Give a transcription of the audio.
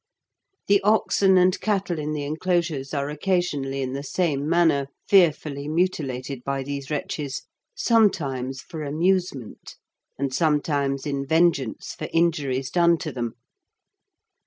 The oxen and cattle in the enclosures are occasionally in the same manner fearfully mutilated by these wretches, sometimes for amusement, and sometimes in vengeance for injuries done to them.